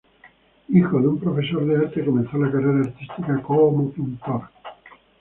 Hijo de un profesor de arte, comenzó la carrera artística como pintor.